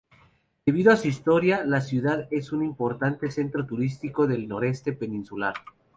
Debido a su historia, la ciudad es un importante centro turístico del noroeste peninsular.